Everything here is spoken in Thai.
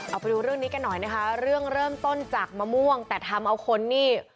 เอาไปดูเรื่องนี้กันหน่อยนะคะเรื่องเริ่มต้นจากมะม่วงแต่ทำเอาคนนี่